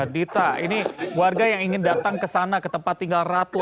dita ini warga yang ingin datang ke sana ke tempat tinggal ratu